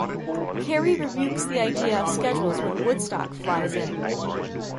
Carey rebukes the idea of schedules when Woodstock flies in.